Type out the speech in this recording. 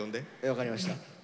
分かりました。